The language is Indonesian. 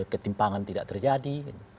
ketimpangan tidak terjadi